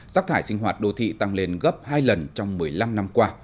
rác thải sinh hoạt đô thị tăng lên gấp hai lần trong một mươi năm năm qua